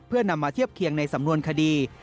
เพื่อนำมาเทียบเคียงในสำนวนคดี